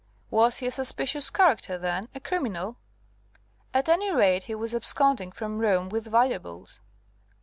"Was he a suspicious character, then? A criminal?" "At any rate he was absconding from Rome, with valuables."